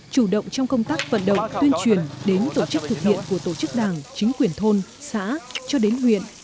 chủ động trong công tác vận động tuyên truyền đến tổ chức thực hiện của tổ chức đảng chính quyền thôn xã cho đến huyện